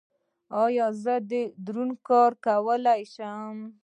ایا زه دروند کار کولی شم؟